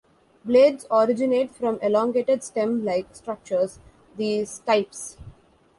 Blades originate from elongated stem-like structures, the stipes.